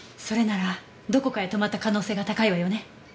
それならどこかへ泊まった可能性が高いわよね。